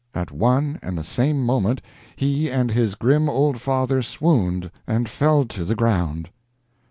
At one and the same moment, he and his grim old father swooned and fell to, the ground.